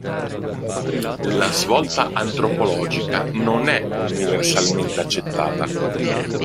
La svolta antropologica non è universalmente accettata.